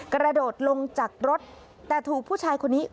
กระโดดลงจากรถแต่ถูกผู้ชายคนนี้